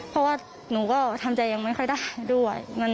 เพราะว่าหนูก็ทำใจยังไม่ค่อยได้ด้วย